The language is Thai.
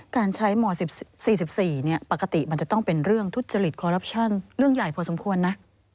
การใช้ม๑๔๔ปกติมันจะต้องเป็นเรื่องทุจริตคอรัปชั่นเรื่องใหญ่พอสมควรนะ